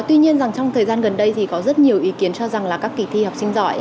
tuy nhiên rằng trong thời gian gần đây thì có rất nhiều ý kiến cho rằng là các kỳ thi học sinh giỏi